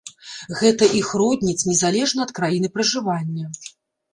Гэта іх родніць, незалежна ад краіны пражывання!